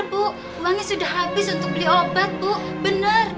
bu uangnya sudah habis untuk beli obat bu benar